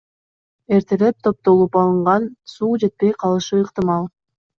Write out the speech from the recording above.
Эртелеп топтолуп алынган суу жетпей калышы ыктымал.